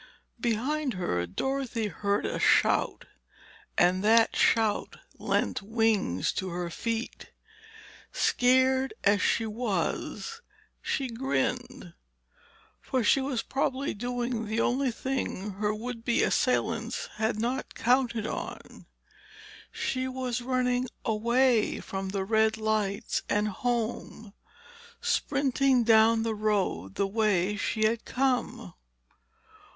Behind her, Dorothy heard a shout, and that shout lent wings to her feet. Scared as she was, she grinned. For she was probably doing the only thing her would be assailants had not counted on. She was running away from the red lights and home, sprinting down the road the way she had come.